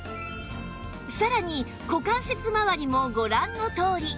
さらに股関節まわりもご覧のとおり